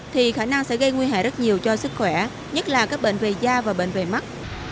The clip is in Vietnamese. thì khả năng sẽ gây nguy hại rất nhiều cho sức khỏe nhất là các bệnh về da và bệnh về mắt